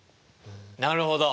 なるほど。